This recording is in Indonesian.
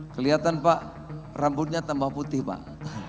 kelihatan pak rambutnya tambah putih pak